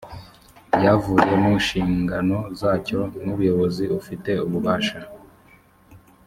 byavuye mu nshingano zacyo n’umuyobozi ufite ububasha